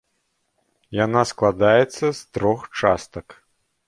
Яна складаецца з трох частак.